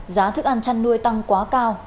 giá thức ăn chăn nuôi tăng quá cao